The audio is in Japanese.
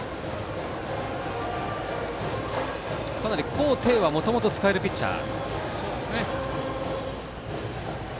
高低はもともと使えるピッチャー。